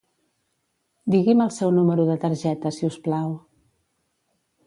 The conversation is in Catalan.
Digui'm el seu número de targeta, si us plau.